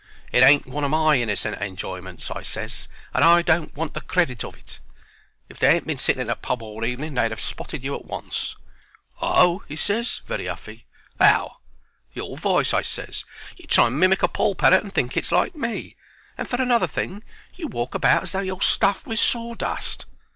"It ain't one o' my innercent enjoyments," I ses, "and I don't want to get the credit of it. If they hadn't been sitting in a pub all the evening they'd 'ave spotted you at once." "Oh!" he ses, very huffy. "How?" "Your voice," I ses. "You try and mimic a poll parrot, and think it's like me. And, for another thing, you walk about as though you're stuffed with sawdust."